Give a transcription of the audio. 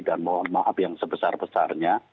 dan mohon maaf yang sebesar besar